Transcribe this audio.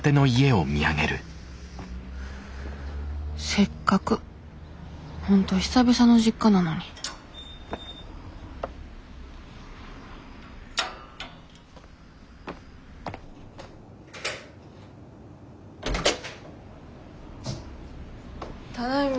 せっかく本当久々の実家なのにただいま。